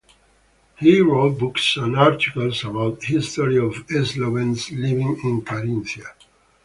He wrote books and articles about history of Slovenes living in Carinthia.